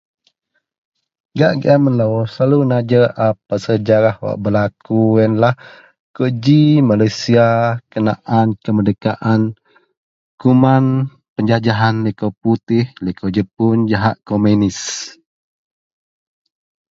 Gak gian melou selalu najer a pasel sejarah wak belaku yenlah kuji Malaysia kenaan kemerdekaan kuman penjajahan likou putih, likou Jepun jahak kominis